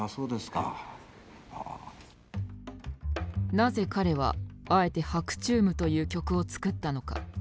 なぜ彼はあえて「白昼夢」という曲を作ったのか？